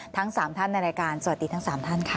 ทั้ง๓ท่านในรายการสวัสดีทั้ง๓ท่านค่ะ